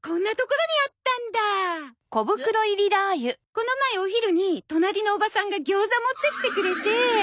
この前お昼に隣のおばさんが餃子持ってきてくれて。